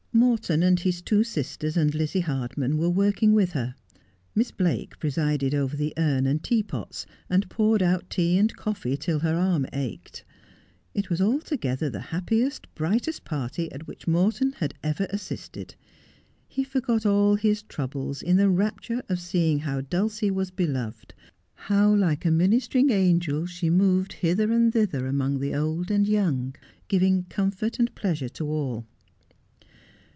Morton and his two sisters and Lizzie Hardman were working with her. Miss Blake presided over the urn and teapots, and poured out tea and coffee till her arm ached. It was altogether I'd! Jiat as I Am. the happiest, brightest party at which Morton had ever assisted. He forgot all his troubles in the rapture of seeing how Dulcie was beloved, how like a ministering angel she moved hither and thither among the old and young, giving comfort and pleasure to all.